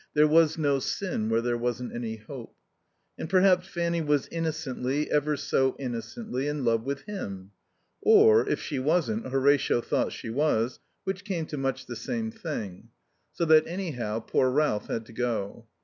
There was no sin where there wasn't any hope. And perhaps Fanny was innocently, ever so innocently, in love with him; or, if she wasn't, Horatio thought she was, which came to much the same thing; so that anyhow poor Ralph had to go.